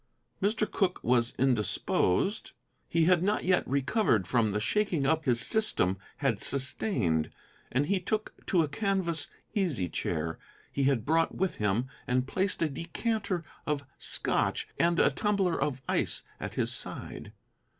Mr. Cooke was indisposed. He had not yet recovered from the shaking up his system had sustained, and he took to a canvas easy chair he had brought with him and placed a decanter of Scotch and a tumbler of ice at his side.